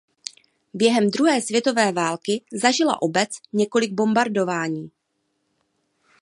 Během druhé světové války zažila obec několik bombardování.